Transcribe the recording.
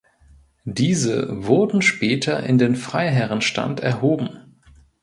Diese wurden später in den Freiherrenstand erhoben.